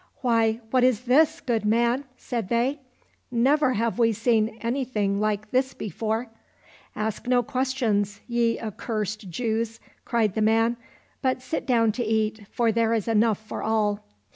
" Why, what is this, good man ?" said they ;" never have we seen anything like this before !"—" Ask no questions, ye accursed Jews !" cried the man, " but sit down to eat, for there is enough for all."